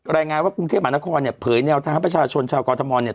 รายงานว่ากรุงเทพมหานครเนี่ยเผยแนวทางให้ประชาชนชาวกรทมเนี่ย